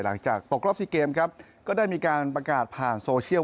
หลังจากตกรอบซีเกมครับก็ได้มีการประกาศผ่านโซเชียล